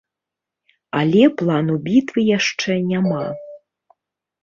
Але плану бітвы яшчэ няма.